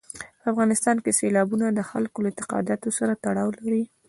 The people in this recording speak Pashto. په افغانستان کې سیلابونه د خلکو له اعتقاداتو سره تړاو لري.